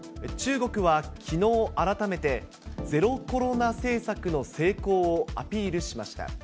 中国は、きのう改めて、ゼロコロナ政策の成功をアピールしました。